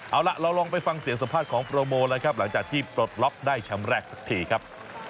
เอาล่ะเราลองไปฟังเสียงสัมภาษณ์ของโปรโมแล้วครับหลังจากที่ปลดล็อกได้แชมป์แรกสักทีครับ